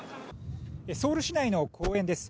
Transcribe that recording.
ソウル市内の公園です。